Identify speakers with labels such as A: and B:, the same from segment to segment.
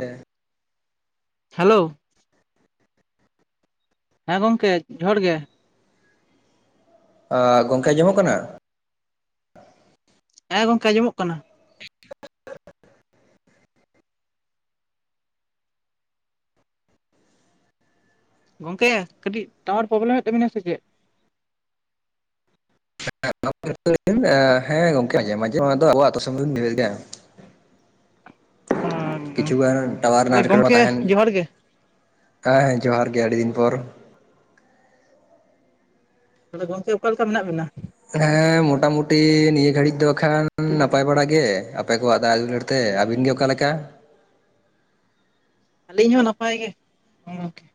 A: ᱦᱮᱸ᱾
B: ᱦᱮᱞᱳ, ᱦᱮᱸ ᱜᱚᱝᱠᱮ ᱡᱚᱦᱟᱨ ᱜᱮ᱾
A: ᱟᱸᱻ ᱜᱚᱝᱠᱮ ᱧᱟᱢᱚᱜ ᱠᱟᱱᱟ?
B: ᱦᱮᱸ ᱜᱚᱝᱠᱮ ᱟᱸᱚᱢᱚᱜ ᱠᱟᱱᱟ᱾ ᱜᱚᱝᱠᱮ ᱠᱟᱹᱴᱤᱡ ᱴᱟᱣᱟᱨ ᱯᱨᱚᱵᱽᱞᱮᱢᱮᱜ ᱛᱟᱵᱤᱱᱟᱭ ᱥᱮ ᱪᱮᱫ?
A: ᱦᱮᱸ ᱜᱚᱢᱠᱮ ᱢᱟᱡᱷᱮ ᱢᱟᱡᱷᱮ ᱚᱱᱟ ᱫᱚ ᱟᱵᱚ ᱟᱹᱛᱳ [unintelligible] ᱜᱮᱭᱟ᱾
B: ᱚ᱾
A: ᱠᱤᱪᱷᱩᱩᱜᱟᱱ ᱴᱟᱣᱟᱨ ᱨᱮᱱᱟᱜ ᱮᱴᱠᱮᱴᱚᱬᱮ ᱛᱟᱸᱦᱮᱱ
B: ᱜᱮ
A: ᱦᱮᱸ ᱦᱮᱸ ᱡᱚᱦᱟᱨ ᱜᱮ ᱟᱹᱰᱤ ᱫᱤᱱ ᱯᱚᱨ᱾
B: ᱛᱟᱦᱚᱴᱞᱮ ᱜᱚᱝᱠᱮ ᱚᱠᱟᱞᱮᱠᱟ ᱢᱮᱱᱟᱜ ᱵᱮᱱᱟ?
A: ᱦᱮᱸ ᱢᱚᱴᱟ-ᱢᱩᱴᱤ ᱱᱤᱭᱟᱹ ᱜᱷᱟᱹᱲᱤᱡ ᱫᱚ ᱠᱷᱟᱱ ᱱᱟᱯᱟᱭ ᱵᱟᱲᱟᱜ ᱜᱮ ᱟᱯᱮ ᱠᱚᱣᱟᱜ ᱫᱟᱭᱟ ᱫᱩᱞᱟᱹᱲ ᱛᱮ, ᱟᱹᱵᱤᱱ ᱜᱮ ᱚᱠᱟᱞᱮᱠᱟ?
B: ᱟᱹᱞᱤᱧ ᱦᱚᱸ ᱱᱟᱯᱟᱭ ᱜᱮ ᱦᱮ ᱜᱚᱝᱠᱮ᱾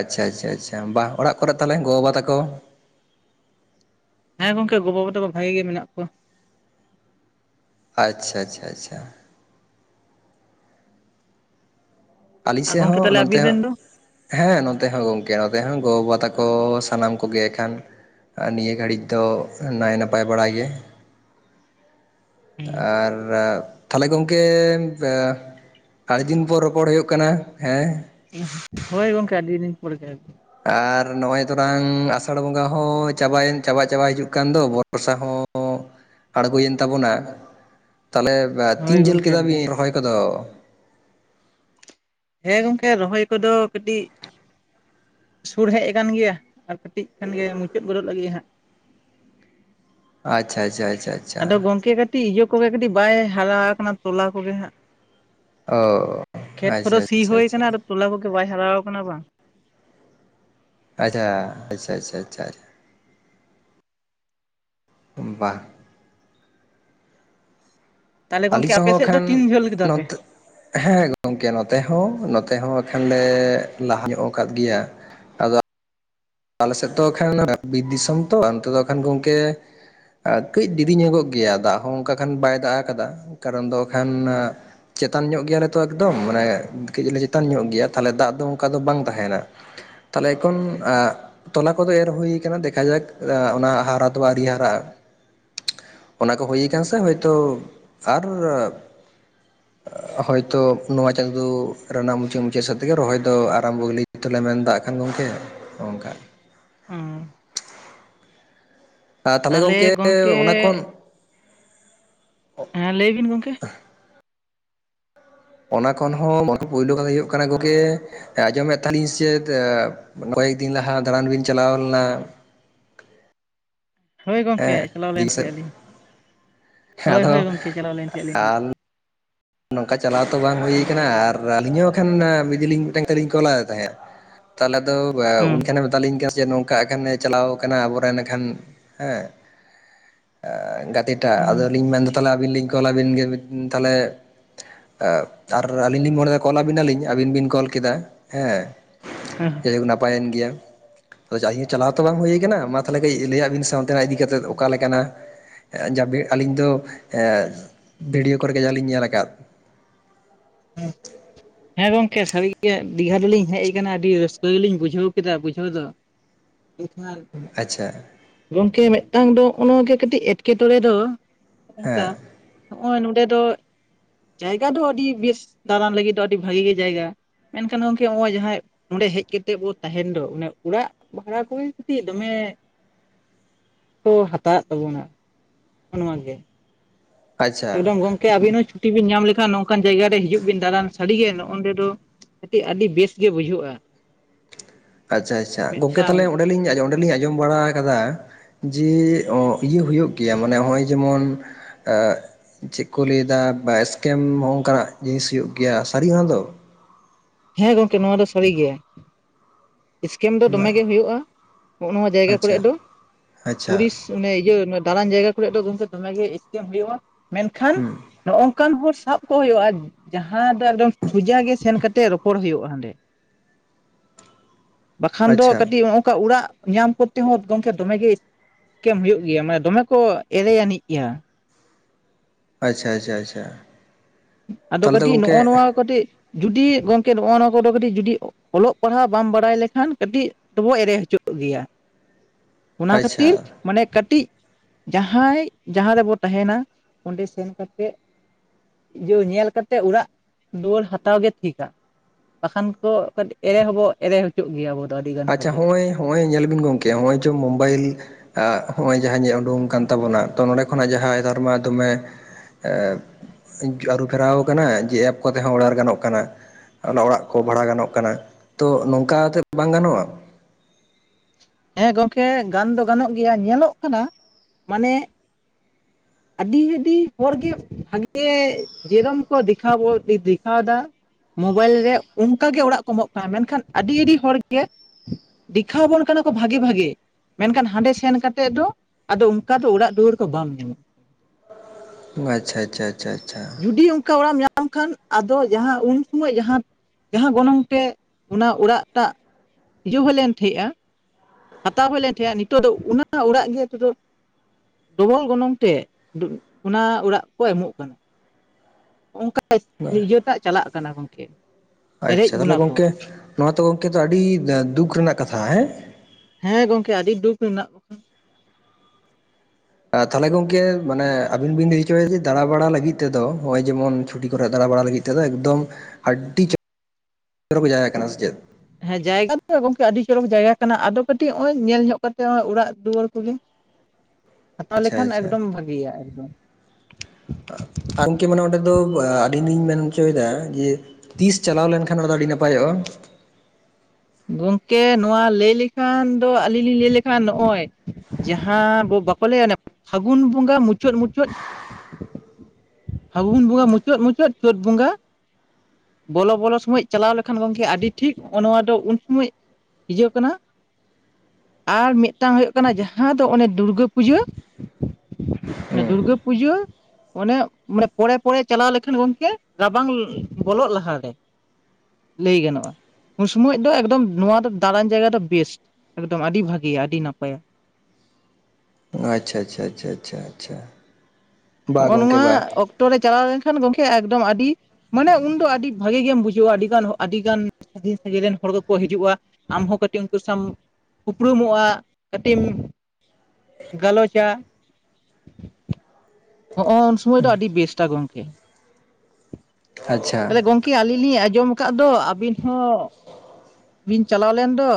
A: ᱟᱪᱪᱷᱟ ᱟᱪᱪᱷᱟ ᱟᱪᱪᱷᱟ! ᱵᱟᱷ ᱚᱲᱟᱜ ᱠᱚᱨᱮ ᱛᱟᱦᱞᱮ ᱜᱚ-ᱵᱟᱵᱟ ᱛᱟᱠᱚ?
B: ᱦᱮᱸ ᱜᱚᱝᱠᱮ ᱜᱚ-ᱵᱟᱵᱟ ᱛᱟᱠᱚ ᱵᱷᱟᱜᱤ ᱜᱮ ᱢᱮᱱᱟᱜ ᱠᱚᱣᱟ᱾
A: ᱟᱪᱪᱷᱟ ᱪᱪᱪᱷᱟ ᱪᱪᱪᱷᱟ᱾ ᱟᱹᱞᱤᱧ
B: ᱟᱨ
A: ᱥᱮᱫ
B: ᱜᱚᱝᱠᱮ
A: ᱦᱚᱸ
B: ᱛᱟᱦᱚᱞᱮ
A: ᱱᱚᱛᱮ
B: ᱟᱵᱤᱱ ᱨᱮᱱ ᱫᱚ
A: ᱦᱮᱸ ᱱᱚᱛᱮ ᱦᱚᱸ ᱜᱚᱝᱠᱮ ᱱᱚᱛᱮ ᱦᱚᱸ ᱜᱚ-ᱵᱟᱵᱟ ᱛᱟᱠᱚ ᱥᱟᱱᱟᱢ ᱠᱚᱜᱮ ᱦᱟᱸᱜ ᱠᱷᱟᱱ᱾ ᱟᱨ, ᱱᱤᱭᱟᱹ ᱜᱷᱟᱹᱲᱤᱡ ᱫᱚ ᱱᱟᱭ ᱱᱟᱯᱟᱭ ᱵᱟᱲᱟ ᱜᱮ ᱾ ᱟᱨ ᱛᱟᱦᱞᱮ ᱜᱚᱝᱠᱮ ᱟᱹᱰᱤ ᱫᱤᱱ ᱯᱚᱨ ᱨᱚᱯᱚᱲ ᱦᱩᱭᱩᱜ ᱠᱟᱱᱟ ᱦᱮᱸ᱾
B: ᱦᱳᱭ ᱜᱚᱝᱠᱮ ᱟᱹᱰᱤ ᱫᱤᱱ ᱯᱚᱨᱮ ᱜᱮ
A: ᱟᱨ ᱱᱚᱜ-ᱚᱭ ᱛᱚᱨᱟᱝ ᱟᱥᱟᱲ ᱵᱚᱸᱜᱟ ᱦᱚᱸ ᱪᱟᱵᱟᱭ ᱪᱟᱵᱟ ᱪᱟᱵᱟᱟᱭ ᱦᱤᱡᱩᱜ ᱠᱟᱱ ᱫᱚ ᱵᱚᱨᱥᱟ ᱦᱚᱸ ᱟᱬᱜᱚᱭᱮᱱ ᱛᱟᱵᱚᱱᱟ᱾ ᱛᱟᱦᱞᱮ
B: ᱦᱳᱭ
A: ᱛᱤᱱ ᱡᱷᱟᱹᱞ
B: ᱜᱚᱝᱠᱮ
A: ᱠᱮᱫᱟ ᱵᱤᱱ
B: ᱮᱠᱫᱚᱢ
A: ᱨᱚᱦᱚᱭ ᱠᱚᱫᱚ?
B: ᱦᱮᱸ ᱜᱚᱝᱠᱮ ᱨᱚᱦᱚᱭ ᱠᱚᱫᱚ ᱠᱟᱹᱴᱤᱡ ᱥᱩᱨ ᱦᱮᱡ ᱟᱠᱟᱱ ᱜᱮᱭᱟ ᱟᱨ ᱠᱟᱹᱴᱤᱡ ᱠᱷᱟᱱᱜᱮ ᱢᱩᱪᱟᱹᱫ ᱵᱚᱞᱚᱜ ᱞᱟᱹᱜᱤᱫ ᱦᱟᱸᱜ᱾ [inaudible]
A: ᱟᱪᱪᱷᱟ ᱟᱪᱪᱷᱟ ᱟᱪᱪᱷᱟ ᱟᱪᱪᱷᱟ᱾
B: ᱟᱫᱚ ᱜᱚᱝᱠᱮ ᱠᱟᱹᱴᱤᱡ ᱤᱭᱟᱹ ᱠᱚᱜᱮ ᱠᱟᱹᱴᱤᱡ ᱵᱟᱭ ᱦᱟᱨᱟ ᱟᱠᱟᱱᱟ ᱛᱚᱞᱟ ᱠᱚᱜᱮ ᱦᱟᱸᱜ᱾
A: ᱚᱻ
B: ᱠᱷᱮᱛ ᱠᱚᱫᱚ
A: ᱟᱪᱪᱷᱟ,
B: ᱥᱤ
A: ᱟᱪᱪᱷᱟ,
B: ᱦᱩᱭ
A: ᱟᱪᱪᱷᱟ᱾
B: ᱟᱠᱟᱱᱟ ᱟᱫᱚ ᱛᱚᱞᱟ ᱠᱚᱜᱮ ᱵᱟᱭ ᱦᱟᱨᱟᱣᱣ ᱠᱟᱱᱟ ᱵᱟᱝ?
A: ᱟᱪᱪᱷᱟ, ᱟᱪᱪᱷᱟ ᱟᱪᱪᱷᱟ ᱟᱪᱷᱟᱷᱟ ᱟᱪᱪᱷᱟ᱾ ᱦᱩᱸ, ᱵᱟᱝ᱾
B: ᱛᱟᱦᱚᱞᱮ ᱜᱚᱝᱠᱮ
A: ᱟᱹᱞᱤᱧ ᱥᱮᱫ
B: ᱟᱯᱮ
A: ᱦᱚᱸ
B: ᱫᱚ
A: ᱠᱷᱟᱱ
B: ᱛᱤᱱ ᱡᱷᱟᱹᱞ ᱠᱮᱫᱟ ᱯᱮ?
A: ᱱᱚᱛᱮ ᱦᱮᱸ ᱜᱚᱝᱠᱮ ᱱᱚᱛᱮ, ᱦᱚᱸ ᱱᱚᱛᱮ ᱦᱚᱸ ᱮᱠᱷᱟᱱ ᱞᱮ ᱞᱟᱦᱟ ᱧᱚᱜ ᱟᱠᱟᱫ ᱜᱮᱭᱟ᱾ ᱟᱫᱚ ᱟᱞᱮ ᱥᱮᱫ ᱛᱚ ᱮᱠᱷᱟᱱ ᱵᱤᱨ ᱫᱤᱥᱚᱢ ᱛᱚ ᱱᱚᱱᱛᱮ ᱫᱚ ᱮᱠᱷᱟᱱ ᱜᱚᱝᱠᱮ ᱟᱨ ᱠᱟᱺᱡ ᱫᱤᱨᱤ ᱧᱚᱜᱚᱜ ᱜᱮᱭᱟ ᱫᱟᱜ ᱦᱚᱸ ᱚᱱᱠᱟ ᱠᱷᱟᱱ ᱵᱟᱭ ᱫᱟᱜ ᱟᱠᱟᱫᱟ ᱠᱟᱨᱚᱱ ᱫᱚ ᱵᱟ ᱠᱷᱟᱱ ᱪᱮᱛᱟᱱ ᱧᱚᱜ ᱜᱮᱭᱟᱞᱮ ᱛᱚ ᱮᱠᱫᱚᱢ ᱢᱟᱱᱮ ᱠᱟᱹᱡ ᱞᱮ ᱪᱮᱛᱟᱱ ᱧᱚᱜ ᱜᱮᱭᱟ ᱛᱟᱦᱞᱮ ᱫᱟᱜ ᱫᱚ ᱚᱱᱠᱟ ᱫᱚ ᱵᱟᱝ ᱛᱟᱸᱦᱮᱱᱟ᱾ ᱛᱟᱦᱞᱮ ᱮᱠᱷᱚᱱ ᱟᱸᱜ ᱛᱚᱞᱟ ᱠᱚᱫᱚ ᱮᱨ ᱦᱩᱭ ᱠᱟᱱᱟ ᱫᱮᱠᱷᱟ ᱡᱟᱠ ᱚᱱᱟ ᱦᱟᱨᱟ ᱫᱚ ᱟᱣᱨᱤ ᱦᱟᱨᱟᱜᱼᱟ ᱾ ᱚᱱᱟ ᱠᱚ ᱦᱩᱭ ᱠᱟᱱᱟ ᱥᱮ ᱦᱳᱭᱛᱳ ᱟᱨ
B: [unintelligible]
A: ᱦᱚᱳᱭᱛᱚ ᱱᱚᱣᱟ ᱪᱟᱸᱫᱚ ᱨᱟᱱᱟᱜ ᱢᱩᱪᱟᱹᱫ ᱢᱩᱪᱟᱹᱫ ᱥᱮᱫ ᱛᱮᱜᱮ ᱨᱚᱦᱚᱭ ᱫᱚ ᱟᱨᱟᱢᱵᱚ ᱜᱮᱞᱤᱧ ᱛᱚᱞᱮ ᱢᱮᱱᱫᱟᱜ ᱟᱠᱷᱟᱱ ᱜᱚᱢᱠᱮ᱾ ᱚᱝᱠᱟ
B: ᱩᱸᱜ
A: ᱟᱨ ᱛᱟᱦᱚᱞᱮ ᱜᱚᱝᱠᱮ ᱚᱱᱟ ᱠᱷᱚᱱ
B: ᱦᱮᱸ ᱞᱟᱹᱭ ᱵᱤᱱ ᱜᱚᱝᱠᱮ᱾
A: ᱚᱱᱟ ᱠᱷᱚᱱ ᱦᱚᱸ ᱯᱳᱭᱞᱳ ᱠᱟᱛᱷᱟ ᱦᱩᱭᱩᱜ ᱠᱟᱱᱟ ᱜᱚᱝᱠᱮ ᱟᱸᱡᱚᱢᱮᱫ ᱛᱟᱦᱮᱸᱱ ᱱᱟᱞᱤᱧ ᱥᱮᱪᱮᱫ ᱠᱚᱭᱮᱠᱫᱤᱱ ᱞᱟᱦᱟ ᱫᱟᱬᱟᱱ ᱵᱤᱱ ᱪᱟᱞᱟᱣ ᱞᱮᱱᱟ?
B: ᱦᱳᱭ ᱜᱚᱝᱠᱮ
A: ᱦᱮᱸ
B: ᱪᱟᱞᱟᱣ ᱞᱮᱱ ᱛᱟᱦᱮᱸᱱᱟ ᱞᱤᱧ ᱾
A: ᱦᱮᱸ ᱟᱫᱚ
B: ᱟᱹᱞᱤᱧ
A: ᱟᱞ ᱱᱚᱝᱠᱟ ᱪᱟᱞᱟᱣ ᱛᱚ ᱵᱟᱝ ᱦᱩᱭᱠᱟᱱᱟ ᱟᱨ ᱟᱹᱞᱤᱧ ᱦᱚᱸ ᱟᱠᱷᱟᱱ ᱮ ᱢᱤᱫᱤᱞᱤᱧ ᱢᱤᱫᱴᱟᱝ ᱠᱟᱛᱷᱟᱞᱤᱧ ᱠᱚᱞ ᱟᱫᱮ ᱛᱟᱦᱮᱸᱜ᱾ ᱛᱟᱦᱞᱮ ᱟᱫᱚ ᱮ
B: ᱦᱮᱸ
A: ᱩᱱ ᱴᱷᱮᱱᱮ ᱢᱮᱛᱟᱞᱤᱧ ᱠᱟᱱᱟᱥ ᱡᱮ ᱱᱚᱝᱠᱟ ᱠᱷᱟᱱᱮ ᱪᱟᱞᱟᱣ ᱠᱟᱱᱟ ᱟᱵᱚᱨᱮᱱ ᱮᱱᱠᱷᱟᱱ ᱦᱮᱸ ᱟ ᱜᱟ ᱮᱴᱟ ᱟᱫᱚ ᱞᱤᱧ ᱢᱮᱱ ᱫᱟ ᱛᱟᱦᱞᱮ ᱟᱹᱵᱤᱱ ᱞᱤᱧ ᱠᱚᱞᱟᱵᱤᱱ ᱜᱮ ᱛᱟᱦᱞᱮ ᱟᱨ ᱟᱹᱞᱤᱧ ᱞᱤᱧ ᱢᱚᱱᱮᱫᱟ ᱠᱚᱞ ᱟᱹᱵᱤᱱᱟᱞᱤᱧ ᱟᱹᱵᱤᱱ ᱵᱤᱱ ᱠᱚᱞ ᱠᱮᱫᱟ ᱦᱮᱸ
B: ᱦᱩᱸ᱾
A: ᱡᱟᱭ ᱦᱳᱠ ᱱᱟᱯᱟᱭᱮᱱ ᱜᱮᱭᱟ᱾ ᱪᱟᱞᱟᱣ ᱛᱚ ᱵᱟᱝ ᱦᱳᱭᱠᱟᱱᱟ ᱢᱟ ᱛᱟᱦᱞᱮ ᱠᱟᱹᱡ ᱞᱟᱹᱭᱟᱜ ᱵᱤᱱ ᱥᱮ ᱚᱛᱮᱱᱟᱜ ᱤᱫᱤ ᱠᱟᱛᱮᱫ ᱚᱠᱟᱞᱮᱠᱟᱱᱟ? ᱡᱟᱯᱤᱫ ᱟᱹᱞᱤᱧ ᱫᱚ ᱮᱸᱜ ᱵᱷᱤᱰᱭᱳ ᱠᱚᱨᱮᱜ ᱡᱟᱞᱤᱧ ᱧᱮᱞ ᱠᱟᱫ᱾
B: ᱦᱮᱸ ᱜᱚᱝᱠᱮ ᱥᱟᱹᱨᱤᱜᱮ ᱫᱤᱜᱷᱟ ᱨᱮᱞᱤᱧ ᱦᱮᱡ ᱠᱟᱱᱟ ᱟᱹᱰᱤ ᱨᱟᱹᱥᱠᱟᱹ ᱜᱮᱞᱤᱧ ᱵᱩᱡᱷᱟᱹᱣ ᱠᱮᱫᱟ ᱵᱩᱡᱷᱟᱹᱣ ᱫᱚ, ᱤᱛᱷᱱᱟᱠ
A: ᱟᱪᱷᱟ᱾
B: ᱜᱚᱝᱠᱮ ᱢᱮᱫᱴᱟᱝ ᱫᱚ ᱚᱱᱟᱜᱮ ᱠᱟᱹᱴᱤᱡ ᱮᱸᱴᱠᱮᱴᱚᱚᱲᱮ ᱫᱚ ᱚᱝᱠᱟ
A: ᱦᱮᱸ
B: ᱱᱚᱜᱼᱚᱭ ᱱᱚᱰᱮ ᱫᱚ ᱡᱟᱭᱜᱟ ᱫᱚ ᱟᱹᱰᱤ ᱵᱮᱥ ᱫᱟᱬᱟᱱ ᱞᱟᱹᱜᱤᱫ ᱫᱚ ᱟᱹᱰᱤ ᱵᱷᱟᱜᱤ ᱜᱮ ᱡᱟᱭᱜᱟ, ᱢᱮᱱᱠᱷᱟᱱ ᱜᱚᱝᱠᱮ ᱱᱚᱜᱼᱚᱭ ᱡᱟᱦᱟᱸᱭ ᱚᱸᱰᱮ ᱦᱮᱡ ᱠᱟᱛᱮᱫ ᱵᱚ ᱛᱟᱦᱮᱸᱱ ᱫᱚ ᱚᱱᱮ ᱚᱲᱟᱜ ᱵᱷᱟᱲᱟ ᱠᱚᱜᱮ ᱡᱩᱫᱤ ᱫᱚᱢᱮ ᱠᱚ ᱦᱟᱛᱟᱣᱮᱜ ᱛᱟᱵᱚᱱᱟ᱾ ᱦᱩᱸ ᱜᱚᱢᱠᱮ᱾
A: ᱟᱪᱪᱷᱟ
B: ᱮᱠᱫᱚᱢ ᱜᱚᱝᱠᱮ ᱟᱹᱵᱤᱱ ᱦᱚᱸ ᱪᱷᱩᱴᱤ ᱵᱤᱱ ᱧᱟᱢ ᱞᱮᱠᱷᱟᱱ ᱱᱚᱝᱠᱟᱱ ᱡᱟᱭᱜᱟ ᱨᱮ ᱦᱤᱡᱩᱜ ᱵᱤᱱ ᱫᱟᱬᱟᱱ ᱥᱟᱹᱰᱤᱜᱮ ᱱᱚᱜᱼᱚ ᱰᱮ ᱫᱚ ᱠᱟᱹᱴᱤᱡ ᱟᱹᱰᱤ ᱵᱮᱥ ᱜᱮ ᱵᱩᱡᱷᱟᱹᱜᱼᱟ᱾
A: ᱟᱪᱪᱷᱟ ᱟᱪᱪᱷᱟ ᱜᱚᱝᱠᱮ ᱛᱟᱦᱞᱮ
B: ᱢᱤᱫᱴᱟᱝ
A: ᱚᱸᱰᱮᱞᱤᱧ ᱟᱸᱡᱚ ᱚᱸᱰᱮᱞᱤᱧ ᱟᱸᱡᱚᱢ ᱵᱟᱲᱟ ᱠᱟᱫᱟ ᱡᱮ ᱚ ᱤᱭᱟᱹ ᱦᱩᱭᱳᱜ ᱜᱮᱭᱟ, ᱢᱟᱱᱮ ᱱᱚᱜᱼᱚᱭ ᱡᱮᱢᱚᱱ ᱮᱸᱜ ᱪᱮᱫ ᱠᱚ ᱞᱟᱹᱭᱫᱟ ᱵᱟ ᱮᱥᱠᱮᱢ ᱦᱚᱸ ᱚᱝᱠᱟᱱᱟᱜ ᱡᱤᱱᱤᱥ ᱦᱳᱭᱳᱜ ᱜᱮᱭᱟ ᱥᱟᱹᱨᱤ ᱚᱱᱟ ᱫᱚ?
B: ᱦᱮᱸ ᱜᱚᱝᱠᱮ ᱱᱚᱣᱟ ᱫᱚ ᱥᱟᱹᱨᱤ ᱜᱮ᱾ ᱮᱥᱠᱮᱢ ᱫᱚ ᱫᱚᱢᱮ ᱜᱮ ᱦᱳᱭᱳᱜᱼᱟ, ᱱᱚᱜᱼᱚ ᱱᱚᱣᱟ ᱡᱟᱭᱜᱟ
A: ᱟᱪᱪᱷᱟ
B: ᱠᱚᱨᱮᱜ ᱫᱚ
A: ᱟᱪᱪᱷᱟ
B: ᱴᱩᱨᱤᱥᱴ ᱢᱟᱱᱮ ᱤᱭᱟᱹ ᱫᱟᱲᱟᱱ ᱡᱟᱭᱜᱟ ᱠᱚᱨᱮ ᱫᱚ ᱜᱚᱝᱠᱮ ᱫᱚᱢᱮᱜ ᱜᱮ ᱮᱥᱠᱮᱢ ᱦᱳᱭᱳᱜᱼᱟ, ᱢᱮᱱᱠᱷᱟᱱ ᱱᱚᱜ-ᱠᱟᱱ ᱦᱚᱲ ᱥᱟᱵ ᱠᱚ ᱦᱳᱭᱳᱜᱼᱟ ᱡᱟᱦᱟᱸ ᱫᱚ ᱮᱠᱫᱚᱢ ᱥᱳᱚᱡᱟ ᱜᱮ ᱥᱮᱱ ᱠᱟᱛᱮ ᱛᱮ ᱨᱚᱯᱚᱲ ᱦᱳᱭᱳᱜᱼᱟ ᱦᱟᱸᱰᱮ᱾ ᱵᱟᱠᱷᱟᱱ ᱫᱚ
A: ᱟᱪᱪᱷᱟ ᱟᱪᱪᱷᱟ
B: ᱠᱟᱹᱴᱤᱡ ᱱᱚᱸᱜᱝᱼᱠᱟ ᱚᱲᱟᱜ ᱧᱟᱢ ᱠᱚ ᱛᱮ ᱦᱚᱸ ᱜᱚᱝᱠᱮ ᱫᱚᱢᱮ ᱜᱮ ᱮᱥᱠᱮᱢ ᱦᱳᱭᱳᱜ ᱜᱮᱭᱟ, ᱢᱟᱱᱮ ᱫᱚᱢᱮ ᱠᱚ ᱮᱲᱮᱭᱟᱱᱤᱡ ᱜᱮᱭᱟ᱾
A: ᱟᱪᱪᱷᱟ ᱟᱪᱪᱷᱟ ᱟᱪᱪᱷᱟ᱾
B: ᱟᱫᱚ
A: ᱛᱟᱦᱚᱞᱮ ᱫᱚ
B: ᱠᱟᱹᱴᱤᱡ
A: ᱜᱚᱝᱠᱮ
B: ᱱᱚᱜᱼᱚ ᱱᱚᱣᱟ ᱠᱚ ᱠᱟᱹᱴᱤᱡ ᱡᱩᱫᱤ ᱜᱚᱝᱠᱮ ᱱᱚᱜᱼᱚ ᱱᱚᱣᱟ ᱠᱚᱫᱚ ᱠᱟᱹᱴᱤᱡ ᱡᱩᱰᱤ ᱚᱞᱚᱜ ᱯᱟᱲᱦᱟᱣ ᱵᱟᱢ ᱵᱟᱰᱟᱭ ᱞᱮᱠᱷᱟᱱ ᱠᱟᱹᱴᱤᱡ ᱛᱚᱵᱚ ᱮᱲᱮ ᱦᱚᱪᱚᱜ ᱜᱮᱭᱟ᱾ ᱚᱱᱟ ᱠᱷᱟᱹᱛᱤᱨ
A: ᱟᱪᱪᱷᱟ
B: ᱢᱟᱱᱮ ᱠᱟᱹᱴᱤᱡ ᱡᱟᱦᱟᱸᱭ ᱡᱟᱦᱟᱸ ᱨᱮᱵᱚ ᱛᱟᱦᱮᱱᱟ ᱚᱸᱰᱮ ᱥᱮᱱ ᱠᱟᱛᱮᱮᱫ ᱵᱩᱡᱟᱣ ᱧᱮᱞᱠᱟᱛᱮ ᱚᱲᱟᱜ ᱫᱩᱣᱟᱹᱨ ᱦᱟᱛᱟᱣᱜᱮ ᱴᱷᱤᱠᱟ᱾ ᱵᱟᱠᱷᱟᱱ ᱠᱚ ᱠᱟᱹᱴᱤᱡ ᱮᱲᱮ ᱦᱚᱸᱵᱚ ᱮᱲᱮ ᱦᱚᱪᱚᱜ ᱜᱮᱭᱟ ᱟᱵᱚ ᱫᱚ ᱟᱹᱰᱤᱜᱟᱱ
A: ᱟᱪᱪᱷᱟ
B: ᱦᱚᱲᱜᱮ᱾
A: ᱦᱚᱸᱜᱼᱚᱭ ᱦᱚᱸᱜᱼᱚᱭ ᱧᱮᱞ ᱵᱤᱱ ᱜᱚᱝᱠᱮ ᱦᱚᱸᱜᱼᱚᱭ ᱪᱚ ᱢᱳᱵᱟᱭᱤᱞ ᱲ ᱦᱚᱜᱼᱚᱭ ᱡᱟᱦᱟᱸᱧ ᱩᱰᱩᱠ ᱠᱟᱱ ᱛᱟᱵᱚᱱᱟ, ᱛᱚ ᱱᱚᱸᱰᱮ ᱠᱷᱚᱱᱟᱜ ᱡᱟᱦᱟᱸᱭ ᱫᱚ ᱛᱟᱨᱢᱟ ᱫᱚᱢᱮ ᱮ ᱥᱤᱧᱪ ᱟᱹᱨᱩ ᱯᱷᱮᱨᱟᱣ ᱠᱟᱱᱟ ᱡᱮ ᱮᱯ ᱠᱚᱛᱮ ᱦᱚᱸ ᱚᱰᱟᱨ ᱜᱟᱱᱚᱜ ᱠᱟᱱᱟ᱾ ᱟᱨ ᱟᱱᱟ ᱚᱲᱟᱜ ᱠᱚ ᱵᱷᱟᱲᱟ ᱜᱟᱱᱚᱜ ᱠᱟᱱᱟ, ᱛᱚ ᱱᱚᱝᱠᱟ ᱠᱟᱛᱮᱜ ᱵᱟᱝ ᱜᱟᱱᱚᱜᱼᱟ?
B: ᱦᱮᱸ ᱜᱚᱝᱠᱮ ᱜᱟᱱ ᱫᱚ ᱜᱟᱱᱚᱜ ᱜᱮᱭᱟ ᱧᱮᱞᱚᱜ ᱠᱟᱱᱟ ᱢᱟᱱᱮ ᱟᱹᱰᱤ ᱟᱹᱰᱤ ᱦᱚᱲ ᱜᱮ ᱵᱷᱟᱜᱮ ᱡᱮᱨᱮᱚᱢ ᱠᱚ ᱫᱮᱠᱷᱟᱣ ᱟᱵᱚᱫ ᱫᱮᱠᱷᱟᱣ ᱫᱟ᱾ ᱢᱳᱵᱟᱭᱮᱞ ᱨᱮ ᱚᱱᱠᱟᱜᱮ ᱚᱲᱟᱜ ᱠᱚ ᱮᱢᱚᱜ ᱠᱟᱱᱟ ᱢᱮᱱᱠᱷᱟᱱ ᱟᱹᱰᱤ ᱟᱹᱰᱤ ᱦᱚᱲᱜᱮ ᱫᱮᱠᱷᱟᱣ ᱟᱵᱚᱱ ᱠᱟᱱᱟ ᱠᱚ ᱵᱷᱟᱜᱮ ᱵᱷᱟᱜᱮ ᱢᱮᱱᱠᱷᱟᱱ ᱦᱟᱸᱰᱮ ᱥᱮᱱ ᱠᱟᱛᱮᱫ ᱫᱚ ᱟᱫᱚ ᱚᱱᱠᱟ ᱫᱚ ᱚᱲᱟᱜ ᱫᱩᱣᱟᱹᱨ ᱠᱚ ᱵᱟᱢ ᱧᱟᱢᱟ᱾
A: ᱟᱪᱪᱷᱟ ᱟᱪᱪᱷᱟ ᱟᱪᱪᱷᱟ ᱟᱪᱪᱷᱟ
B: ᱡᱩᱫᱤ ᱚᱱᱠᱟ ᱚᱲᱟᱜ ᱮᱢ ᱧᱟᱢ ᱵᱟᱝᱠᱷᱟᱱ ᱟᱫᱚ ᱡᱟᱦᱟᱸ ᱩᱱ ᱥᱚᱢᱚᱭ ᱡᱟᱦᱟᱸ ᱡᱟᱦᱟᱸ ᱜᱚᱱᱚᱝ ᱛᱮ ᱚᱱᱟ ᱚᱲᱟᱜᱴᱟᱜ ᱴᱟᱜ ᱤᱭᱟᱹ ᱦᱳᱭ ᱞᱮᱱ ᱛᱟᱦᱮᱸᱜᱼᱟ᱾ ᱦᱟᱛᱟᱣ ᱦᱩᱭ ᱞᱮᱱ ᱛᱟᱦᱮᱸᱼᱟ ᱱᱤᱛᱚᱜ ᱫᱚ ᱚᱱᱟ ᱚᱲᱟᱜ ᱜᱮ ᱦᱤᱛᱚᱜ ᱫᱚ ᱰᱚᱵᱚᱞ ᱜᱚᱱᱚᱝ ᱛᱮ ᱰᱚ ᱚᱱᱟ ᱚᱲᱟᱜ ᱠᱚ ᱮᱢᱚᱜ ᱠᱟᱱᱟ᱾ ᱚᱱᱠᱟ ᱱᱤᱡᱮᱴᱟᱜ ᱪᱟᱞᱟᱜ ᱠᱟᱱᱟ ᱜᱚᱢᱠᱮ᱾
A: ᱟᱪᱪᱷᱟ ᱛᱟᱦᱚᱞᱮ ᱜᱚᱝᱠᱮ ᱱᱚᱣᱟ ᱛᱚ ᱜᱚᱢᱠᱮ ᱛᱚ ᱟᱹᱰᱤ ᱫᱩᱠ ᱨᱮᱱᱟᱜ ᱠᱟᱛᱷᱟ ᱦᱮᱸ᱾
B: ᱦᱮᱸ ᱜᱚᱝᱠᱮ ᱟᱹᱰᱤ ᱫᱩᱠ ᱨᱮ ᱢᱮᱱᱟᱜ
A: ᱛᱟᱦᱚᱞᱮ ᱜᱚᱝᱠᱮ ᱢᱟᱱᱮ ᱟᱵᱤᱱ ᱵᱤᱱ ᱞᱟᱹᱭ ᱦᱚᱪᱚᱭᱟ ᱡᱮ ᱫᱟᱬᱟ ᱵᱟᱲᱟ ᱞᱟᱹᱜᱤᱫ ᱛᱮᱫᱚ ᱦᱚᱸ-ᱚᱭ ᱡᱮᱢᱚᱱ ᱪᱷᱩᱴᱤ ᱠᱚᱨᱮᱫ ᱫᱟᱬᱟ ᱵᱟᱲᱟ ᱞᱟᱹᱜᱤᱫ ᱛᱮᱫᱚ ᱮᱠᱫᱚᱢ ᱟᱹᱰᱤ [inaudible] ᱡᱟᱭᱜᱟ ᱠᱟᱱᱟ ᱥᱮ ᱪᱮᱫ?
B: ᱦᱮᱸ ᱡᱟᱭᱜᱟ ᱫᱚ ᱜᱚᱝᱠᱮ ᱟᱹᱰᱤ ᱪᱚᱨᱚᱠ ᱡᱟᱭᱜᱟ ᱠᱟᱱᱟ ᱟᱫᱚ ᱠᱟᱹᱴᱤᱡ ᱦᱚ-ᱚᱭ ᱧᱮᱞ ᱧᱚᱜ ᱠᱟᱛᱮ ᱦᱚᱸ-ᱚᱭ ᱚᱲᱟᱜ ᱫᱩᱣᱟᱹᱨ ᱠᱚᱜᱮ ᱦᱟᱛᱟᱣ
A: ᱟᱪᱪᱷᱟ
B: ᱞᱮᱠᱷᱟᱱ
A: ᱟᱪᱪᱷᱟ
B: ᱮᱠᱫᱚᱢ ᱵᱷᱟᱜᱮᱭᱟ ᱮᱠᱫᱚᱢ ᱾
A: ᱟ ᱜᱚᱢᱠᱮ ᱢᱟᱱᱮ ᱚᱸᱰᱮ ᱫᱚ ᱟᱹᱞᱤᱧ ᱞᱤᱧ ᱢᱮᱱ ᱦᱚᱪᱚᱭᱮᱫᱟ ᱡᱮ ᱛᱤᱥ ᱪᱟᱞᱟᱣ ᱞᱮᱱᱠᱷ ᱠᱷᱟᱱ ᱱᱚᱸᱰᱮ ᱫᱚ ᱟᱹᱰᱤ ᱱᱟᱯᱟᱭᱚᱜᱼᱟ᱾
B: ᱜᱚᱝᱠᱮ ᱱᱚᱣᱟ ᱞᱟᱹᱭ ᱞᱮᱠᱷᱟᱱ ᱫᱚ ᱟᱹᱞᱤᱧ ᱞᱤᱧ ᱞᱟᱹᱭ ᱞᱮᱠᱷᱟᱱ ᱱᱚᱜᱼᱚᱭ ᱡᱟᱦᱟᱸ ᱵᱚ ᱵᱟᱠ ᱠᱚ ᱞᱟᱹᱭᱟ ᱢᱟᱱᱮ ᱯᱷᱟᱹᱜᱩᱱ ᱵᱚᱸᱜᱟ ᱢᱩᱪᱟᱹᱫ ᱢᱩᱪᱟᱹᱫ᱾ ᱯᱷᱟᱹᱜᱩᱱ ᱵᱚᱸᱜᱟ ᱢᱩᱪᱟᱹᱫ ᱢᱩᱪᱟᱹᱫ ᱪᱟᱹᱛ ᱵᱚᱸᱜᱟ ᱵᱚᱞᱚ ᱵᱚᱞᱚ ᱥᱚᱢᱚᱭ ᱪᱟᱞᱟᱣ ᱞᱮᱠᱷᱟᱱ ᱜᱚᱝᱠᱮ ᱟᱹᱰᱤ ᱴᱷᱤᱠ ᱦᱚᱸᱜ-ᱟ ᱱᱚᱣᱟ ᱫᱚ ᱩᱱ ᱥᱚᱢᱚᱡ ᱦᱤᱡᱩᱜ ᱠᱟᱱᱟ᱾ ᱟᱨ ᱢᱤᱫᱴᱟᱱ ᱦᱩᱭᱩᱜ ᱠᱟᱱᱟ ᱡᱟᱦᱟᱸ ᱫᱚ ᱚᱱᱮ ᱫᱩᱨᱜᱟᱹ ᱯᱩᱡᱟᱹᱹ ᱱᱮ
A: ᱦᱩᱸ
B: ᱫᱩᱨᱜᱟᱟᱹ ᱯᱩᱡᱟᱹ ᱚᱱᱮ ᱢᱟᱱᱮ ᱯᱚᱨᱮ ᱯᱚᱨᱮ ᱪᱟᱞᱣ ᱞᱮᱠᱷᱟᱱ ᱜᱚᱝᱠᱮ ᱨᱟᱵᱟᱝ ᱵᱚᱞᱚᱜ ᱞᱟᱦᱟᱨᱮ᱾ ᱞᱟᱹᱭ ᱜᱟᱱᱚᱜᱼᱟ᱾ ᱩᱱᱥᱚᱢᱚᱡ ᱫᱚ ᱮᱠᱫᱚᱢ ᱱᱚᱣᱟ ᱫᱚ ᱫᱟᱬᱟᱱ ᱡᱟᱭᱜᱟ ᱫᱚ ᱵᱮᱥᱴ᱾ ᱮᱠᱫᱚᱢ ᱟᱹᱰᱤ ᱵᱷᱟᱜᱮᱭᱟ ᱟᱹᱰᱤ ᱱᱟᱯᱟᱭᱟ᱾
A: ᱟᱪᱪᱷᱟ ᱟᱪᱪᱷᱟ ᱟᱪᱪᱷᱟ ᱟᱪᱪᱷᱟ ᱟᱪᱪᱷᱟ᱾ ᱵᱟ
B: ᱱᱚᱜ-ᱚ
A: ᱜᱚᱝᱠᱮ
B: ᱱᱚᱣᱟ
A: ᱵᱟ
B: ᱚᱠᱛᱚ ᱨᱮ ᱪᱟᱞᱟᱣ ᱞᱮᱱᱠᱷᱟᱱ ᱜᱚᱝᱠᱮ ᱮᱠᱫᱚᱢ ᱟᱹᱰᱤ ᱢᱟᱱᱮ ᱩᱱᱫᱚ ᱟᱹᱰᱤ ᱵᱷᱟᱜᱤ ᱜᱮᱢ ᱵᱩᱡᱷᱟᱹᱶᱼᱟ ᱟᱹᱰᱤ ᱜᱟᱱ ᱟᱹᱰᱤ ᱜᱟᱱ ᱥᱟᱺᱜᱤᱧ ᱥᱟᱺᱜᱤᱧ ᱨᱮᱱ ᱦᱚᱲ ᱠᱚᱠᱚ ᱦᱤᱡᱩᱜᱼᱟ᱾ ᱟᱢᱦᱚᱸ ᱠᱟᱹᱴᱤᱡ ᱩᱱᱠᱩ ᱥᱟᱢ ᱩᱯᱨᱩᱢᱚᱜᱼᱟ ᱠᱟᱹᱴᱤᱡ ᱮᱢ ᱜᱟᱞᱚᱪᱟ ᱾ ᱦᱚᱜᱼᱚᱭ ᱩᱱ ᱥᱚᱢᱚᱭ ᱫᱚ ᱟᱹᱰᱤ ᱵᱮᱥᱴᱟ ᱜᱚᱢᱠᱮ
A: ᱟᱪᱪᱷᱟ
B: ᱛᱟᱦᱞᱮ ᱜᱚᱢ ᱠᱮ ᱟᱹᱞᱤᱧ ᱞᱤᱧ ᱟᱸᱡᱚᱢ ᱟᱠᱟᱫ ᱫᱚ ᱟᱹᱵᱤᱱ ᱦᱚᱸ ᱵᱤᱱ ᱪᱟᱞᱟᱣ ᱞᱮᱱ ᱫᱚ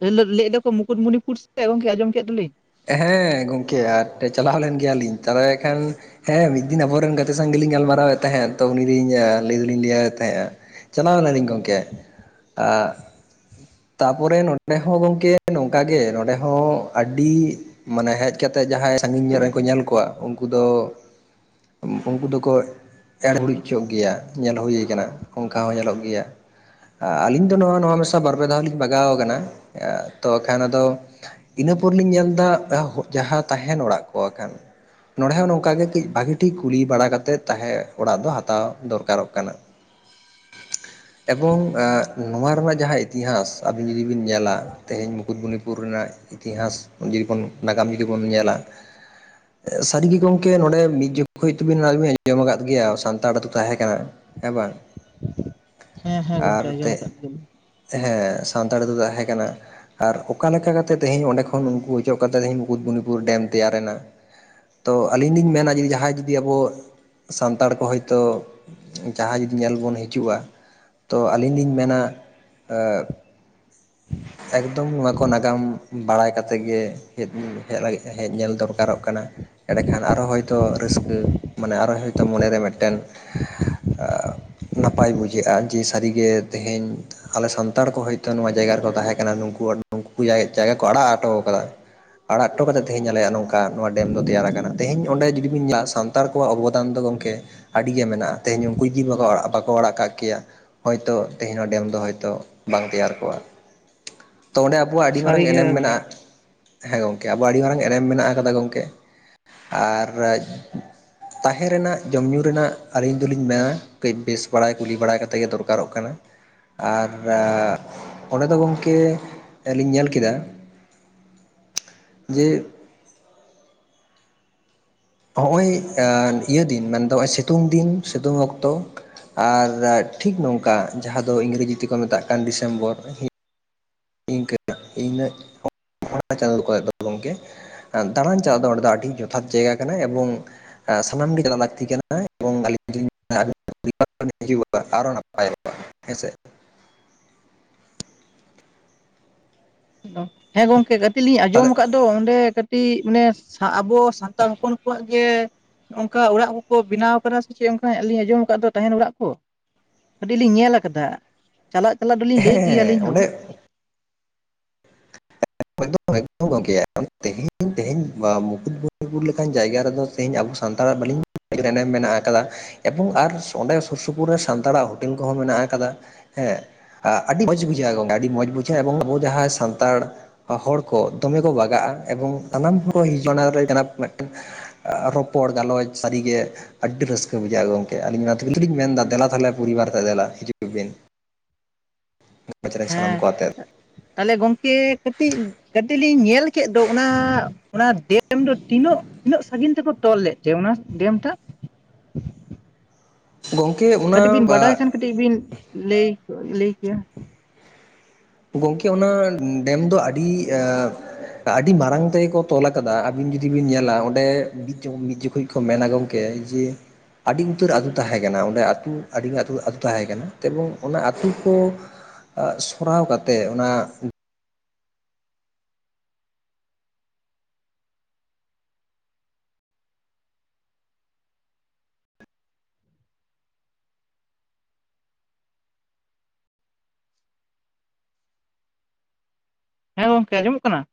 B: [unintelligible] ᱞᱟᱹᱭ ᱮᱫ ᱫᱚᱠᱚ ᱢᱩᱠᱩᱴᱢᱩᱱᱤᱯᱩᱨ ᱥᱮᱫ ᱜᱚᱝᱠᱮ ᱟᱸᱡᱚᱢ ᱠᱮᱫ ᱫᱚᱞᱤᱧ
A: ᱦᱮᱸ ᱜᱚᱢᱠᱮ ᱟᱨ ᱛᱮᱜ ᱪᱟᱞᱟᱣ ᱞᱮᱱ ᱜᱮᱭᱟᱞᱤᱧ ᱾ ᱛᱟᱦᱚᱞᱮ ᱮᱠᱷᱟᱱ ᱦᱮᱸ ᱢᱤᱫ ᱫᱤᱱ ᱟᱵᱚᱨᱮᱱ ᱜᱟᱛᱮ ᱥᱟᱶ ᱜᱮᱞᱤᱧ ᱜᱟᱞᱢᱟᱨᱟᱣᱮᱫ ᱛᱟᱦᱮᱸᱫ ᱛᱚ ᱩᱱᱤ ᱞᱤᱧ ᱞᱟᱹᱭ ᱫᱚᱞᱤᱧ ᱞᱟᱹᱭ ᱛᱟᱦᱮᱸᱜᱼᱟ ᱾ ᱪᱟᱞᱟᱣ ᱞᱤᱱᱟᱹᱧ ᱜᱚᱢᱠᱮ ᱟᱸᱜ ᱛᱟᱯᱚᱨᱮ ᱱᱚᱰᱮ ᱦᱚᱸ ᱜᱚᱝᱠᱮ ᱱᱚᱝᱠᱟ ᱜᱮ ᱱᱚᱰᱮ ᱦᱚᱸ ᱟᱹᱰᱤ ᱢᱟᱱᱮ ᱦᱮᱡ ᱠᱟᱛᱮᱜ ᱡᱟᱦᱟᱸᱭ ᱥᱟᱹᱜᱤᱧ ᱧᱚᱜ ᱨᱮᱱ ᱠᱚ ᱧᱮᱞ ᱠᱚᱣᱟ ᱩᱱᱠᱩ ᱫᱚ [unintelligible] ᱩᱱᱠᱩ ᱫᱚᱠᱚ ᱮᱲ ᱦᱩᱲᱤᱡ ᱦᱚᱪᱚᱜ ᱜᱮᱭᱟ ᱧᱮᱞ ᱦᱩᱭ ᱟᱠᱟᱱᱟ ᱚᱱᱠᱟ ᱦᱚᱸ ᱧᱮᱞᱚᱜ ᱜᱮᱭᱟ᱾ ᱟᱹᱞᱤᱧ ᱫᱚ ᱱᱚᱣᱟ ᱱᱚᱣᱟ ᱢᱮᱥᱟ ᱵᱟᱨ ᱯᱮ ᱫᱷᱟᱣ ᱞᱤᱧ ᱵᱟᱜᱟᱣ ᱠᱟᱱᱟ᱾ [unintelligible] ᱛᱚ ᱠᱷᱟᱱ ᱟᱫᱚ ᱤᱱᱟᱹ ᱯᱚᱨ ᱞᱤᱧ ᱧᱮᱞ ᱮᱫᱟ ᱮᱦᱚᱵ ᱡᱟᱦᱟᱸ ᱛᱟᱦᱮᱱ ᱚᱲᱟᱜ ᱠᱚ ᱮᱠᱷᱟᱱ ᱱᱚᱸᱲᱮ ᱦᱚᱸ ᱱᱚᱝᱠᱟ ᱜᱮ ᱠᱟᱹᱡ ᱵᱷᱟᱹᱜᱮ ᱴᱷᱤᱠ ᱠᱩᱞᱤ ᱵᱟᱲᱟ ᱠᱟᱛᱮᱫ ᱛᱟᱦᱮᱸ ᱚᱲᱟᱜ ᱫᱚ ᱦᱟᱛᱟᱣ ᱫᱚᱨᱠᱟᱨᱚᱜ ᱠᱟᱱᱟ᱾
B: [inaudible]
A: ᱮᱵᱚᱝ ᱮᱸ ᱱᱚᱣᱟ ᱨᱮᱢᱟ ᱡᱟᱦᱟᱸ ᱤᱛᱤᱦᱟᱥ ᱟᱵᱤᱱ ᱡᱩᱫᱤ ᱵᱤᱱ ᱧᱮᱞᱟ᱾ ᱛᱮᱦᱮᱧ ᱢᱩᱠᱩᱴᱢᱚᱱᱤᱯᱩᱨ ᱨᱮᱱᱟᱜ ᱤᱛᱤᱦᱟᱥ ᱡᱩᱫᱤ ᱵᱚᱱ ᱱᱟᱜᱟᱢ ᱡᱩᱫᱤ ᱵᱚᱱ ᱧᱮᱞᱟ ᱾
B: [inaudible]
A: ᱮ ᱥᱟᱹᱨᱤ ᱜᱮ ᱜᱚᱝᱠᱮ ᱱᱚᱸᱲᱮ ᱢᱤᱫ ᱡᱚᱠᱷᱚᱡ ᱛᱚ ᱵᱤᱱ ᱱᱚᱣᱟ ᱜᱮ ᱵᱮᱱ ᱟᱸᱡᱚᱢ ᱟᱠᱟᱫ ᱜᱮᱭᱟ ᱥᱟᱱᱛᱟᱲ ᱟᱹᱛᱩ ᱛᱟᱦᱮᱸ ᱠᱟᱱᱟ᱾ ᱦᱮᱸ ᱵᱟᱝ
B: ᱦᱮᱸᱻᱦᱮᱸᱻ
A: ᱟᱨ
B: ᱜᱚᱝᱠᱮ ᱟᱸᱡᱚᱢ
A: ᱛᱮᱜ
B: ᱠᱟᱫ ᱜᱮᱭᱟ ᱞᱤᱧ
A: ᱦᱮᱸ ᱥᱟᱱᱛᱟᱲ ᱟᱹᱛᱩ ᱫᱚ ᱛᱟᱦᱮᱸ ᱠᱟᱱᱟ᱾ ᱟᱨ ᱚᱠᱟ ᱞᱮᱠᱟ ᱠᱟᱛᱮᱜ ᱛᱮᱦᱤᱧ ᱚᱸᱰᱮ ᱠᱷᱚ ᱠᱷᱚᱱ ᱩᱱᱠᱩ ᱚᱪᱚᱜ ᱠᱟᱛᱮᱫ ᱛᱮᱦᱤᱧ ᱢᱩᱠᱩᱴᱢᱚᱱᱤᱯᱩᱨ ᱰᱮᱢ ᱛᱮᱭᱟᱨ ᱮᱱᱟ᱾ ᱛᱚ ᱟᱹᱞᱤᱧ ᱞᱤᱧ ᱢᱮᱱᱟ ᱡᱩᱫᱤ ᱡᱟᱦᱟᱸᱭ ᱡᱩᱫᱤ ᱟᱵᱚ ᱥᱟᱱᱛᱟᱲ ᱠᱚ ᱦᱳᱭᱛᱚ ᱡᱟᱦᱟᱸᱭ ᱡᱩᱫᱤ ᱧᱮᱞ ᱵᱚᱱ ᱦᱤᱡᱩᱜᱼᱟ᱾ ᱛᱚ ᱟᱹᱞᱤᱧ ᱞᱤᱧ ᱢᱮᱱᱟ᱾ ᱟ ᱮᱠᱫᱚᱢ ᱱᱚᱣᱟ ᱠᱚ ᱱᱟᱜᱟᱢ ᱵᱟᱲᱟᱭ ᱠᱟᱛᱮ ᱜᱮ [unintelligible] ᱦᱮᱡ ᱞᱟᱹᱜᱤᱫ ᱦᱮᱡ ᱧᱮᱞ ᱫᱚᱨᱠᱟᱨᱚᱜ ᱠᱟᱱᱟ᱾ ᱮᱲᱮᱠᱷᱟᱱ ᱟᱨᱚ ᱦᱳᱭᱛᱚ ᱨᱟᱹᱥᱠᱟᱹ ᱢᱟᱱᱮ ᱟᱨᱚ ᱦᱳᱭᱛᱚ ᱢᱚᱱᱮᱨᱮ ᱢᱤᱫᱴᱮᱱ [unintelligible] ᱱᱟᱯᱟᱭ ᱵᱩᱡᱷᱟᱹᱜᱼᱟ᱾ ᱡᱮ ᱥᱟᱹᱨᱤ ᱜᱮ ᱛᱮᱦᱮᱧ ᱦᱟᱱᱮ ᱥᱟᱱᱛᱟᱲ ᱠᱚ ᱦᱳᱭᱛᱚ ᱱᱚᱣᱟ ᱡᱟᱭᱜᱟ ᱨᱮ ᱠᱚ ᱛᱟᱦᱮᱸ ᱠᱟᱱᱟ ᱱᱩᱱᱠᱩ ᱦᱚᱲ ᱱᱩᱱᱠᱩ ᱡᱟᱭ ᱡᱟᱭᱜᱟ ᱠᱚ ᱟᱲᱟᱜ ᱚᱴᱚᱣ ᱠᱟᱫᱟ ᱟᱲᱟᱜ ᱦᱚᱴᱚ ᱠᱟᱛᱮ ᱛᱮᱦᱤᱧ ᱟᱞᱮᱭᱟ ᱱᱚᱝᱠᱟ ᱱᱚᱣᱟ ᱰᱮᱢ ᱫᱚ ᱛᱮᱭᱟᱨ ᱟᱠᱟᱱᱟ᱾ ᱛᱤᱦᱤᱧ ᱚᱸᱰᱮ ᱡᱩᱫᱤ ᱵᱤᱱ ᱧᱮᱞᱟ ᱥᱟᱱ ᱛᱟᱲ ᱠᱚᱣᱟᱜ ᱚᱵᱚᱫᱟᱱ ᱫᱚ ᱜᱚᱝᱠᱮ ᱟᱹᱰᱤ ᱜᱮ ᱢᱮᱱᱟᱜᱼᱟ᱾ ᱛᱮᱦᱮᱧ ᱩᱱᱠᱩ ᱠᱤ ᱵᱟᱠᱚ ᱟᱲᱟᱜ ᱵᱟᱠᱚ ᱟᱲᱟᱜ ᱠᱟᱜ ᱠᱮᱭᱟ ᱦᱳᱭᱛᱚ ᱛᱮᱦᱮᱧ ᱚᱱᱟ ᱰᱮᱢ ᱫᱚ ᱦᱳᱭᱛᱚ ᱵᱟᱝ ᱛᱮᱭᱟᱨ ᱠᱚᱜᱼᱟ᱾ ᱛᱚ ᱚᱸᱰᱮ ᱟᱵᱚᱣᱟᱜ ᱟᱹᱰᱤ ᱢᱟᱨᱟᱝ
B: ᱥᱟᱹᱨᱤᱜᱮ
A: ᱮᱱᱮᱢ ᱢᱮᱱᱟᱜᱼᱟ᱾ ᱦᱮᱸ ᱜᱚᱝᱠᱮ ᱟᱵᱚᱣᱟᱜ ᱟᱹᱰᱤ ᱢᱟᱨᱟᱝ ᱮᱱᱮᱢ ᱢᱮᱱᱟᱜ ᱟᱠᱟᱫᱟ ᱜᱚᱝᱠᱮ ᱟᱨ ᱛᱟᱦᱮᱸ ᱨᱮᱱᱟᱜ ᱡᱚᱢ ᱧᱩ ᱨᱮᱱᱟᱜ ᱟᱹᱞᱤᱧ ᱫᱚᱞᱤᱧ ᱢᱮᱱᱟ ᱠᱟᱹᱡ ᱵᱮᱥ ᱵᱟᱲᱟᱭ ᱠᱩᱞᱤ ᱵᱟᱲᱟᱭ ᱠᱟᱛᱮ ᱜᱮ ᱫᱚᱨᱠᱟᱨᱚᱜ ᱠᱟᱱᱟ᱾ ᱟᱨ ᱚᱸᱰᱮ ᱫᱚ ᱜᱚᱝ ᱠᱮ ᱟᱹᱞᱤᱧ ᱧᱮᱞ ᱠᱮᱫᱟ ᱡᱮ ᱱᱚᱜᱼᱚᱭ ᱟ ᱤᱭᱟᱹ ᱫᱤᱱ ᱢᱮᱱᱫᱚ ᱱᱚᱜᱼᱚᱭ ᱥᱤᱛᱩᱝ ᱫᱤᱱ ᱥᱤᱛᱩᱝ ᱚᱠᱛᱚ ᱟᱨ ᱴᱷᱤᱠ ᱱᱚᱝᱠᱟ ᱡᱟᱦᱟᱸ ᱫᱚ ᱤᱝᱨᱮᱡᱤ ᱛᱮᱠᱚ ᱢᱮᱛᱟᱜ ᱠᱟᱱ ᱫᱤᱥᱮᱢᱵᱚᱨ ᱤᱱᱠᱟᱹ ᱤᱱᱟᱜ [unintelligible] ᱚᱱᱟ ᱪᱮᱱᱟᱞ [unintelligible] ᱠᱚᱨᱮ ᱠᱚ ᱜᱚᱝᱠᱮ ᱟᱸ ᱫᱟᱬᱟᱱ ᱪᱟᱞᱟᱜ ᱫᱚ ᱚᱸᱰᱮ ᱫᱚ ᱟᱹᱰᱤ ᱡᱚᱛᱷᱟᱛ ᱡᱟᱭᱜᱟ ᱠᱟᱱᱟ ᱮᱵᱚᱝ ᱥᱟᱱᱟᱢ ᱜᱮ ᱪᱟᱞᱟᱜ ᱞᱟᱹᱠᱛᱤ ᱠᱟᱱᱟ᱾ [unintelligible] [unintelligible] ᱟᱨᱚ ᱱᱟᱯᱭᱚ-ᱟ ᱦᱮᱸᱥᱮ
B: ᱦᱮᱸ ᱜᱚᱝᱠᱮ ᱠᱟᱹᱴᱤᱡ ᱞᱤᱧ
A: ᱛᱟᱦᱚᱞᱮ
B: ᱟᱸᱚᱢ ᱠᱟᱫ ᱫᱚ ᱚᱸᱰᱮ ᱠᱟᱹᱴᱤᱡ ᱢᱟᱱᱮ ᱥᱟ ᱟᱵᱚ ᱥᱟᱱᱛᱟᱲᱸ ᱦᱚᱸᱯᱚᱱ ᱠᱚᱣᱟ-ᱜ ᱜᱮ ᱚᱱᱠᱟ ᱚᱲᱟᱜ ᱠᱚᱼᱠᱚ ᱵᱮᱱᱟᱣ ᱠᱟᱱᱟ᱾ ᱥᱮ ᱪᱮᱫ ᱚᱱᱠᱟ ᱞᱤᱧ ᱟᱸᱡᱚᱢ ᱠᱟᱫ ᱫᱚᱸ ᱛᱟᱦᱮᱱ ᱚᱲᱟᱜ ᱠᱚ᱾ ᱠᱟᱹᱴᱤᱡ ᱞᱤᱧ ᱧᱮᱞ ᱠᱟᱫᱟ᱾ ᱪᱟᱞᱟᱜ - ᱪᱟᱞᱟᱜ ᱫᱚᱞᱤᱧ ᱞᱮᱭᱮᱫ ᱜᱮᱭᱟ᱾
A: ᱦᱮᱸ
B: ᱞᱤᱧ ᱦᱚᱸ
A: ᱚᱸᱰᱮ ᱮᱠᱫᱚᱢ - ᱮᱠᱫᱚᱢ ᱜᱚᱝᱠᱮ ᱛᱮᱦᱮᱧ, ᱛᱮᱦᱮᱧ ᱢᱩᱠᱩᱴᱢᱩᱱᱤᱯᱩᱨ ᱞᱮᱠᱟᱱ ᱡᱟᱭᱜᱼᱟ ᱾ ᱨᱮᱫᱚ ᱛᱮᱦᱧᱸ ᱟᱵᱚ ᱥᱟᱱᱛᱟᱲᱟ-ᱜ ᱵᱟᱹᱞᱤᱧ ᱮᱱᱮᱢ ᱢᱮᱱᱟ-ᱜ ᱠᱟᱫᱟ᱾ ᱮᱵᱚᱝ ᱟᱨ ᱚᱸᱰᱮ ᱥᱳᱨ ᱥᱳᱯᱳᱨ ᱨᱮ, ᱥᱟᱱᱛᱟᱲᱟ-ᱜ ᱦᱳᱴᱮᱞ ᱠᱚᱼᱦᱚᱸ ᱢᱮᱱᱟ-ᱜ ᱠᱟᱫᱟ᱾ ᱦᱮᱸ ᱟᱹᱰᱤ ᱢᱚᱸᱡᱷᱽ ᱵᱩᱡᱷᱟᱹᱜᱼᱟ᱾ ᱜᱚᱝᱮ ᱟᱹᱰᱚ ᱢᱚᱸᱡᱽᱷ ᱵᱩᱡᱷᱟᱹᱜᱼᱟ᱾ ᱮᱚᱝ ᱟᱵᱚ ᱡᱟᱦᱟᱸ ᱥᱟᱱ ᱥᱟᱱᱛᱟᱲ ᱦᱚᱲ ᱠᱚᱸ ᱫᱚᱢᱮᱸ ᱠᱚ ᱵᱟᱜᱟᱜᱼᱟ᱾ ᱮᱵᱚᱝ ᱥᱟᱱᱟᱢ ᱦᱚᱲ ᱦᱚ ᱚᱱᱟ ᱠᱟᱱᱟ ᱢᱤᱫᱴᱮᱱ ᱨᱚᱯᱚᱲ ᱜᱟᱞᱚᱪ ᱥᱟᱹᱨᱤᱜᱮ ᱟᱹᱰᱤ ᱨᱟᱹᱥᱠᱟᱹ ᱵᱩᱡᱷᱟᱹᱜᱼᱟ ᱜᱚᱝᱠᱮ᱾ ᱟᱹᱞᱤᱧ ᱢᱟ ᱛᱷᱩᱞ ᱛᱷᱩᱞᱤᱧ ᱢᱮᱱᱫᱟ᱾ ᱫᱮᱞᱟ ᱛᱟᱦᱚᱞᱮ ᱯᱚᱨᱤᱵᱟᱨ ᱛᱮ ᱫᱮᱞᱟ᱾ ᱦᱤᱡᱩᱜ ᱵᱤᱱ᱾ [unintelligible] ᱥᱟᱱᱟᱢ
B: ᱦᱮᱸ
A: ᱠᱚᱣᱟᱛᱮ᱾
B: ᱛᱟᱦᱚᱞᱮ ᱜᱚᱝᱠᱮ ᱠᱟᱹᱴᱤᱡ, ᱠᱟᱹᱴᱤᱡ ᱞᱤᱧ ᱧᱮᱞ ᱠᱮᱫ ᱫᱚ᱾ ᱚᱱᱟ ᱚᱱᱟ ᱰᱮᱢ ᱫᱚ ᱛᱤᱱᱟᱹᱜ, ᱛᱤᱱᱟᱹᱜ ᱥᱟᱺᱜᱤᱧ ᱛᱮᱠᱚ ᱛᱚᱞ ᱞᱮᱫ ᱛᱮ ᱾ᱚᱱᱟ ᱰᱮᱢ ᱴᱟᱜ
A: ᱜᱚᱝᱠᱮ ᱚ
B: ᱠᱟᱹᱴᱤᱡ ᱵᱤᱱ ᱵᱟᱰᱟᱭ ᱠᱷᱟᱱ, ᱠᱟᱹᱴᱤᱡ ᱵᱤᱱ ᱞᱟᱹᱭ, ᱞᱟᱹᱭ ᱠᱮᱭᱟ᱾
A: ᱜᱚᱝᱠᱮ ᱚᱱᱟ ᱰᱮᱢ ᱫᱚ ᱟᱹᱰᱤ ᱮᱸ- ᱟᱹᱰᱤ ᱢᱟᱨᱟᱝ ᱛᱮᱜᱮᱠᱚ ᱛᱞᱟᱠᱟᱫᱟ᱾ ᱟᱹᱵᱤᱱ ᱡᱩᱫᱤ ᱵᱤᱱ ᱧᱮᱞᱟ᱾ ᱚᱸᱰᱮ ᱢᱤᱫ ᱡᱚᱠᱷ ᱢᱤᱫ ᱡᱚᱠᱷᱚᱡ ᱠᱚ ᱢᱮᱱᱱᱟ ᱜᱚᱝᱠᱮ ᱡᱮ ᱟᱹᱰᱤ ᱩᱛᱟᱹᱨ ᱟᱹᱛᱩ ᱛᱟᱦᱮᱸᱠᱟᱱᱟ ᱾ ᱚᱸᱰᱮ ᱟᱹᱛᱩ ᱟᱹᱰᱤᱜ ᱟᱹᱛᱩ ᱟ. ᱛᱩ ᱛᱟᱦᱮᱸ ᱠᱟᱱᱟ ᱾ ᱮᱵᱚᱝ ᱚᱱᱟ ᱟᱹᱛᱩ ᱠᱚ᱾ ᱥᱚᱨᱟᱣ ᱠᱟᱛᱮᱮᱜ ᱚᱱᱟ᱾
B: ᱦᱮᱸ ᱜᱚᱝᱠᱮ ᱟᱸᱡᱚᱢᱚᱜ ᱠᱟᱱᱟ?